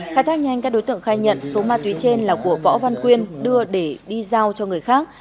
khai thác nhanh các đối tượng khai nhận số ma túy trên là của võ văn quyên đưa để đi giao cho người khác